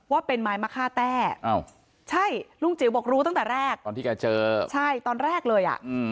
ว่าเป็นไม้มะค่าแต้ใช่ลุงจิ๋วบอกรู้ตั้งแต่แรกตอนที่แกเจอใช่ตอนแรกเลยอ่ะ